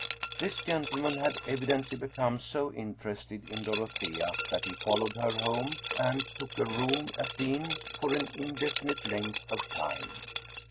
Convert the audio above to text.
This gentleman had evidently become so interested in Dorothea that he followed her home and took a room at the inn for an indefinite length of time.